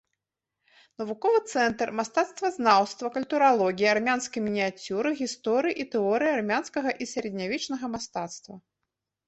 Навуковы цэнтр мастацтвазнаўства, культуралогіі, армянскай мініяцюры, гісторыі і тэорыі армянскага і сярэднявечнага мастацтва.